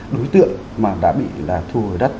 đối tượng mà đã bị là thu hồi đất